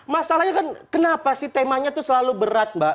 masalahnya kan kenapa sih temanya itu selalu berat mbak